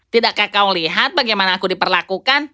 tidakkah kau lihat bagaimana aku diperlakukan